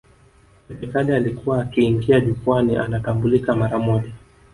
Pepe Kalle alikuwa akiingia jukwani anatambulika mara moja